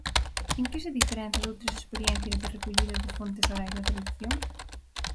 En que se diferenza doutras experiencias de recollida de fontes orais da tradición?